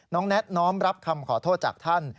แน็ตน้อมรับคำขอโทษจากท่าน